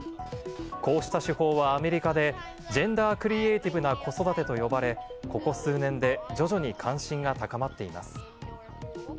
こうした手法はアメリカでジェンダー・クリエーティブな子育てと呼ばれ、ここ数年で徐々に関心が高まっています。